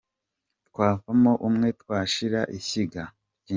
Twavamo umwe twashira:ishyiga.